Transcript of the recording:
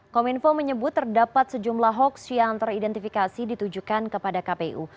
kominfo menyebut terdapat sejumlah hoax yang teridentifikasi ditujukan kepada kpu